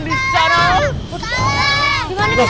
gimana suaranya itu pak rt